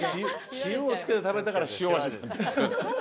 塩をつけて食べたから塩味。